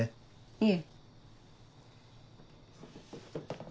いえ。